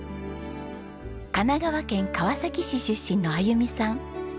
神奈川県川崎市出身のあゆみさん。